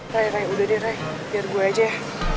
raya raya udah deh raya biar gue aja ya